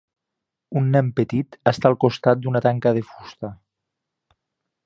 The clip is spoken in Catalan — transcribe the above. Un nen petit està al costat d'una tanca de fusta.